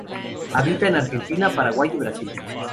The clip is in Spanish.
Habita en Argentina, Paraguay y Brasil.